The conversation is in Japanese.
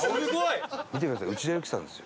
見てください内田有紀さんですよ。